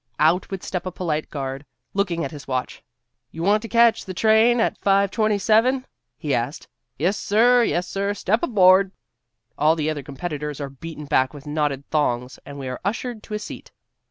Out would step a polite guard, looking at his watch. "You want to catch a train at 5:27?" he asks. "Yes, sir, yes, sir; step aboard." All the other competitors are beaten back with knotted thongs and we are ushered to a seat.